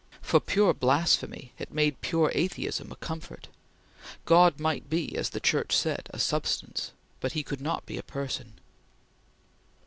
For pure blasphemy, it made pure atheism a comfort. God might be, as the Church said, a Substance, but He could not be a Person.